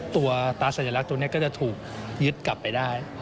ตาสัญลักษณ์ตัวนี้ก็จะถูกยึดกลับไปได้